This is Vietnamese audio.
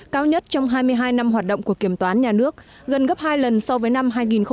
cao nhất trong hai mươi hai năm hoạt động của kiểm toán nhà nước gần gấp hai lần so với năm hai nghìn một mươi